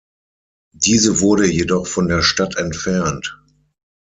Diese wurde jedoch von der Stadt entfernt.